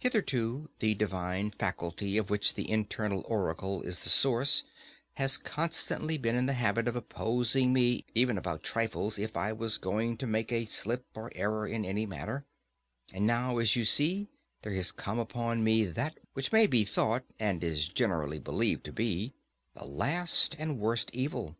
Hitherto the divine faculty of which the internal oracle is the source has constantly been in the habit of opposing me even about trifles, if I was going to make a slip or error in any matter; and now as you see there has come upon me that which may be thought, and is generally believed to be, the last and worst evil.